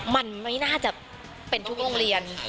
มันไม่น่าจะเป็นทุกโรงเรียน